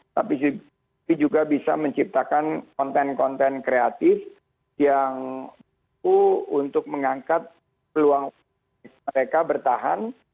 tapi juga bisa menciptakan konten konten kreatif yang untuk mengangkat peluang mereka bertahan